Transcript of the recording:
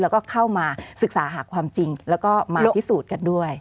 แล้วก็เข้ามาศึกษาหาความจริงแล้วก็มาพิสูจน์กันด้วย